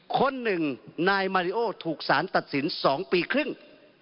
คนหนึ่งนายมาริโอถูกสารตัดสิน๒ปีครึ่ง